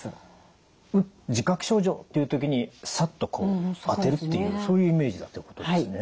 自覚症状という時にさっとこう当てるっていうそういうイメージだってことですね。